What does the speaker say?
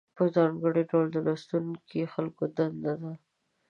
په ځانګړي ډول د لوستو خلکو دنده ده.